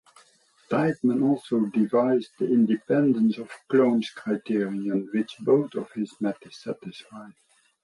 Tideman also devised the independence of clones criterion which both of his methods satisfy.